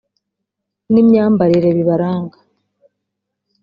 n’imyambarire bibaranga